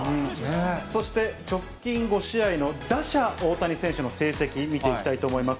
そして直近５試合の打者、大谷選手の成績、見ていきたいと思います。